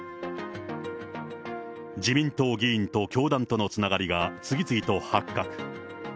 自民党議員と教団とのつながりが次々と発覚。